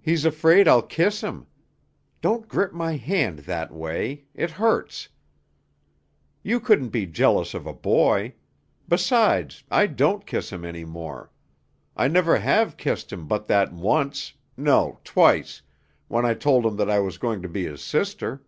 "He's afraid I'll kiss him. Don't grip my hand that way; it hurts. You couldn't be jealous of a boy! Besides, I don't kiss him any more. I never have kissed him but that once no, twice, when I told him that I was going to be his sister."